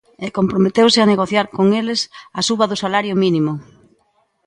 E comprometeuse a negociar con eles a suba do salario mínimo.